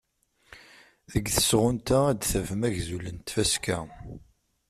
Deg tesɣunt-a ad d-tafem agzul n tfaska.